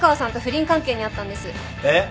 えっ！？